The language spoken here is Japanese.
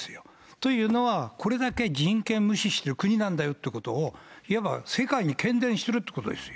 というのは、これだけ人権無視してる国なんだよということをいわば世界にけん伝するということですよ。